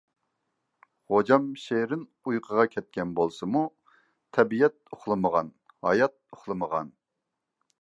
غوجام شېرىن ئۇيقۇغا كەتكەن بولسىمۇ... تەبىئەت ئۇخلىمىغان، ھايات ئۇخلىمىغان،